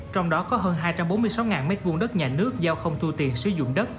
trong đó có hơn hai trăm bốn mươi sáu m hai đất nhà nước giao không thu tiền sử dụng đất